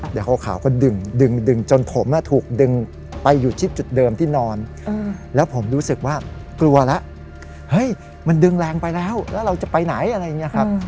เดี๋ยวขาวก็ดึงจนผมถูกดึงไปอยู่ที่จุดเดิมที่นอนแล้วผมรู้สึกว่ากลัวแล้วเฮ้ยมันดึงแรงไปแล้วแล้วเราจะไปไหนอะไรอย่างนี้ครับ